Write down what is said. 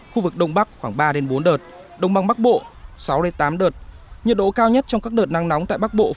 khu vực đông bắc khoảng ba đến bốn đợt đông băng bắc bộ sáu đến tám đợt